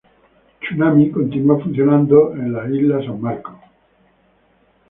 Tsunami continua funcionando en Isla San Marcos.